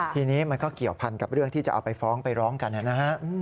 ทีนี้มันก็เกี่ยวพันกับเรื่องที่จะเอาไปฟ้องไปร้องกันนะฮะ